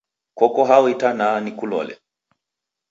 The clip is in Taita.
Koko hao itanaa nikulole?